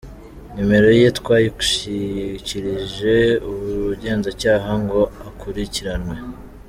Nimero ye twayishyikirije ubugenzacyaha ngo akurikiranwe.